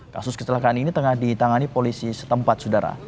kasus kecelakaan ini tengah ditangani polisi setempat sudara